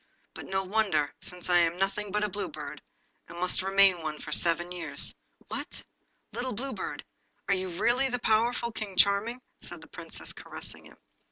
'But no wonder, since I am nothing but a Blue Bird, and must remain one for seven years.' 'What! Little Blue Bird, are you really the powerful King Charming?' said the Princess, caressing him.